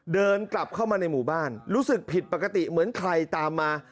เดินกลับเข้ามาในหมู่บ้านรู้สึกผิดปกติเหมือนใครตามมา